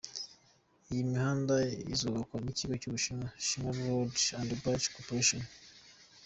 Iyi mihanda izubakwa n’ikigo cyo mu Bushinwa, China Road and Bridge Corporation.